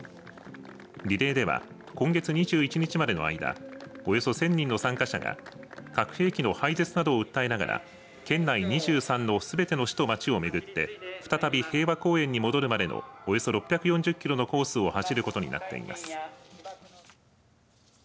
リレーでは今月２１日までの間およそ１０００人の参加者が核兵器の廃絶などを訴えながら県内２３のすべての市と町を巡って再び平和公園に戻るまでのおよそ６４０キロのコースを走ることになっています。